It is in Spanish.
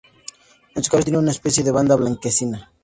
En su cabeza tiene una especie de banda blanquecina.